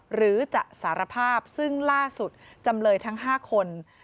หรือจะสารภาพซึ่งล่าสุดจำเลยทั้ง๕คน